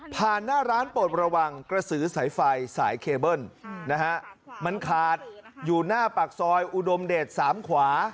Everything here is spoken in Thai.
หน้าร้านโปรดระวังกระสือสายไฟสายเคเบิ้ลนะฮะมันขาดอยู่หน้าปากซอยอุดมเดช๓ขวา